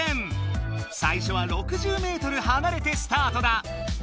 最初は６０ｍはなれてスタートだ！